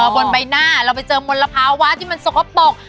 บนใบหน้าเราไปเจอมลภาวะที่มันสกปรก